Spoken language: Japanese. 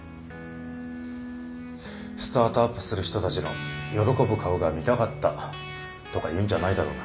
スタートアップする人たちの喜ぶ顔が見たかったとか言うんじゃないだろうな。